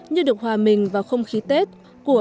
như được hòa mình vào không khí tết của